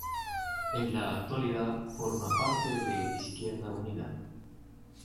En la actualidad forma parte de Izquierda Unida.